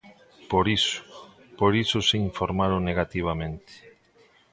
Por iso, por iso se informaron negativamente.